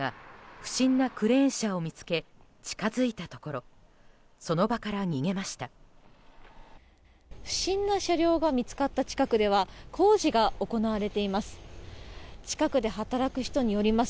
不審な車両が見つかった近くでは工事が行われています。